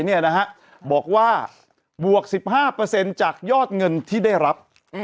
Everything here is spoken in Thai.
บอกว่าบวก๑๕จากยอดเงินที่ได้รับ